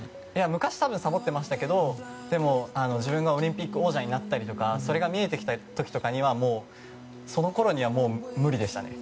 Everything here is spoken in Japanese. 昔、さぼってましたけどでも、自分がオリンピック王者になったりとかそれが見えてきた時とかにはそのころには、もう無理でした。